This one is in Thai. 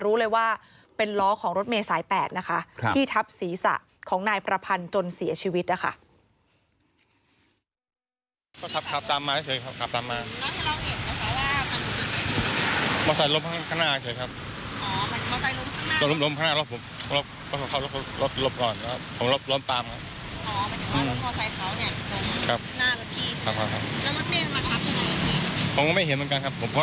รู้เลยว่าเป็นล้อของรถเมย์สาย๘นะคะที่ทับศีรษะของนายประพันธ์จนเสียชีวิตนะคะ